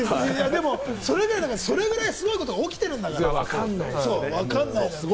でも、それくらいすごいことが起きてるんだから分かんない。